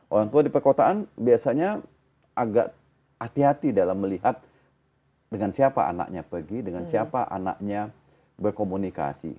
orang tua di perkotaan biasanya agak hati hati dalam melihat dengan siapa anaknya pergi dengan siapa anaknya berkomunikasi